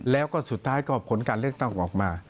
แล้วก็สุดท้ายก็ผลการเลือกตั้งออกมา